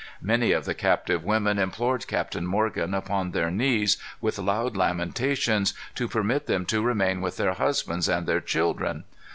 Many of the captive women implored Captain Morgan, upon their knees, with loud lamentations, to permit them to remain with their husbands and their children.